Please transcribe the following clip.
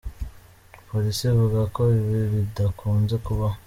Polisi ivuga ko ibi bidakunze kubaho.